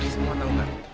semua tahu gak